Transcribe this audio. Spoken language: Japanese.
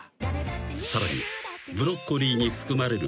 ［さらにブロッコリーに含まれる］